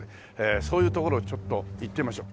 そういう所をちょっと行ってみましょう。